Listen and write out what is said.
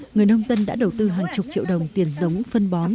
người nông dân đã đầu tư hàng chục triệu đồng tiền giống phân bón